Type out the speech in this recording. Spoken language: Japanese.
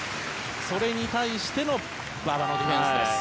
それに対しての馬場のディフェンスです。